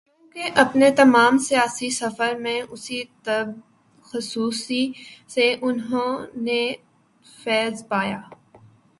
کیونکہ اپنے تمام سیاسی سفر میں اسی طب خصوصی سے انہوں نے فیض پایا۔